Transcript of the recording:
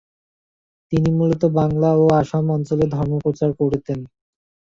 তিনি মূলত বাংলা ও আসাম অঞ্চলে ধর্মপ্রচার করেতেন।